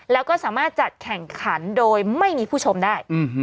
แล้วก็สามารถจัดแข่งขันโดยไม่มีผู้ชมได้